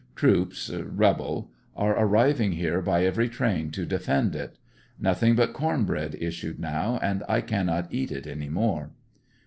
Troops (rebel) are arriving here by every train to defend it. Nothing but corn bread issu.d now and I cannot eat it any more.